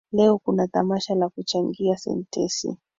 Leo kuna tamasha la kuchangia sentensi